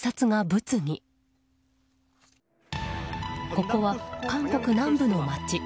ここは韓国南部の街。